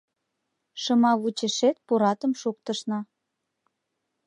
Шымавучешет пуратым шуктышна